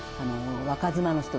若妻の人に。